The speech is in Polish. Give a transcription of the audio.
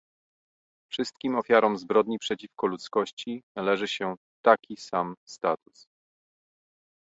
Wszystkim ofiarom zbrodni przeciwko ludzkości należy się taki sam status